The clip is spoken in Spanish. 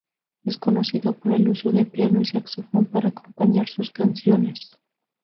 Es conocido por el uso de piano y saxofón para acompañar sus canciones.